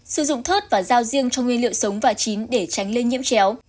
sử dụng thớt và rau riêng trong nguyên liệu sống và chín để tránh lên nhiễm chéo